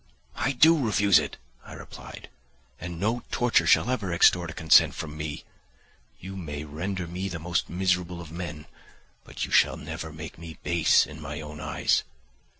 "I do refuse it," I replied; "and no torture shall ever extort a consent from me. You may render me the most miserable of men, but you shall never make me base in my own eyes.